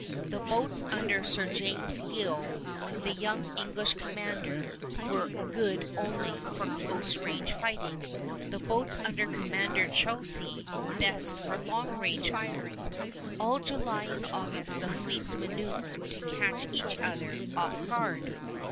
The boats under Sir James Yeo, the young English commander, were good only for close range fighting, the boats under Commodore Chauncey best for long range firing. All July and August the fleets maneuvered to catch each other off guard.